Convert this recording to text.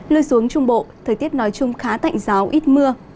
lưu xuống trung bộ thời tiết nói chung khá tạnh giáo ít mưa